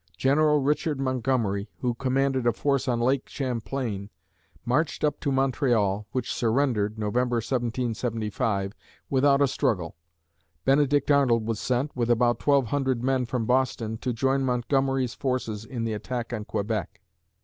General Richard Montgomery, who commanded a force on Lake Champlain, marched up to Montreal, which surrendered (November, 1775) without a struggle. Benedict Arnold was sent, with about twelve hundred men from Boston, to join Montgomery's forces in the attack on Quebec.